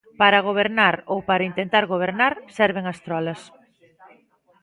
Para gobernar ou para intentar gobernar serven as trolas.